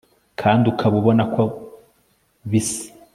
kandi ukaba ubona ko bisa